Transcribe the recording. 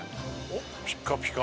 ピカピカ。